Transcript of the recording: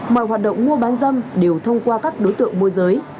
mọi hoạt động mua bán dâm đều thông qua các đối tượng môi giới